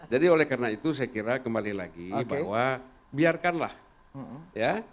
jadi oleh karena itu saya kira kembali lagi bahwa biarkanlah ya